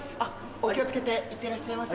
お気を付けて行ってらっしゃいませ。